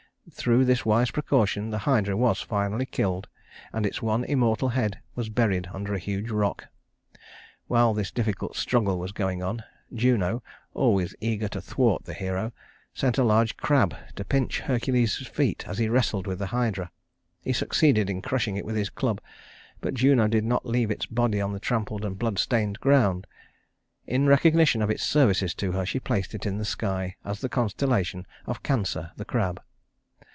Through this wise precaution the Hydra was finally killed, and its one immortal head was buried under a huge rock. While this difficult struggle was going on, Juno, always eager to thwart the hero, sent a large crab to pinch Hercules's feet as he wrestled with the Hydra. He succeeded in crushing it with his club; but Juno did not leave its body on the trampled and blood stained ground. In recognition of its services to her, she placed it in the sky as the constellation of Cancer (the Crab).